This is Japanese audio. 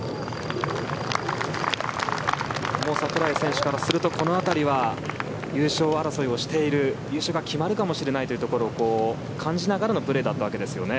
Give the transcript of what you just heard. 櫻井選手からするとこの辺りは優勝争いをしている優勝が決まるかもしれないというところを感じながらのプレーだったわけですよね。